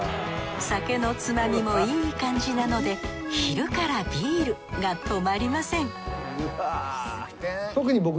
酒のつまみもいい感じなので昼からビールが止まりません